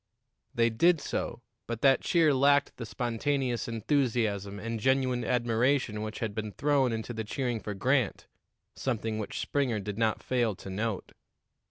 They did so, but that cheer lacked the spontaneous enthusiasm and genuine admiration which had been thrown into the cheering for Grant, something which Springer did not fail to note.